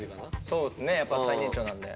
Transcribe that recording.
そうですねやっぱ最年長なんで。